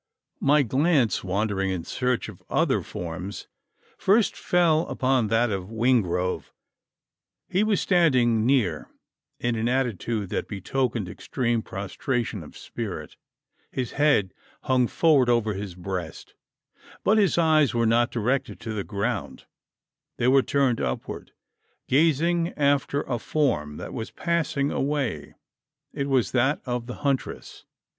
My glance, wandering in search of other forms, first fell upon that of Wingrove. He was standing near, in an attitude that betokened extreme prostration of spirit. His head hung forward over his breast; but his eyes were not directed to the ground: they were turned upward, gazing after a form that was passing away. It was that of the huntress.